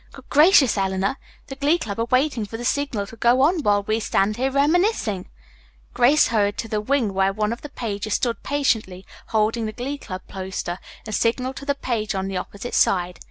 "Good gracious, Eleanor, the Glee Club are waiting for the signal to go on while we stand here reminiscing!" Grace hurried to the wing where one of the pages stood patiently holding the Glee Club poster, and signaled to the page on the opposite side.